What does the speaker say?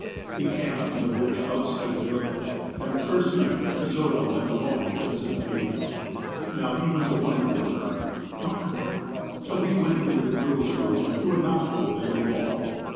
They camj)ed in the bush outside the village, and the first night Tezoda went alone to visit the maiden. Now, he was a wonder worker (' Nock nock '),' so he went into the girl's room through a knot hole in the wall.